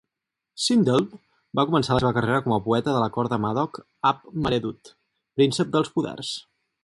Cynddelw va començar la seva carrera com a poeta de la cort de Madog ap Maredudd, príncep dels poders.